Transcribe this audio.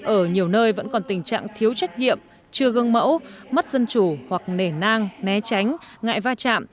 ở nhiều nơi vẫn còn tình trạng thiếu trách nhiệm chưa gương mẫu mất dân chủ hoặc nề nang né tránh ngại va chạm